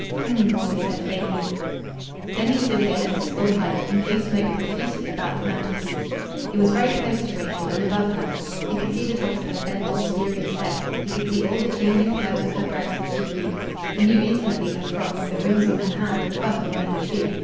"Hm!" he said faintly. Then he stood again at his full height and blew smoke profusely about the mantelpiece. He was very close to Rachel, and above her. He could see the top of her bent, mysterious head; he could see all the changing curves of her breast as she breathed. He knew intimately her frock, the rings on her hand, the buckle on her shoe.